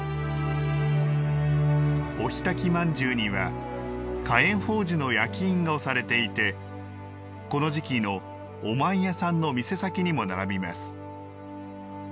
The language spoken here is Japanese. お火焚きまんじゅうには火焔宝珠の焼き印が押されていてこの時期の、おまんやさんの店先にも並びます。